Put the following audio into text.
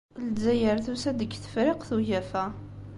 Lezzayer tusa-d deg Tefriqt n Ugafa.